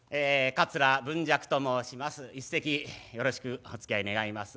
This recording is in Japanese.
桂文雀と申します。